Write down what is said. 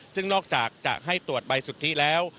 ซึ่งนอกจากจะให้ตรวจใบสุทธิแล้ว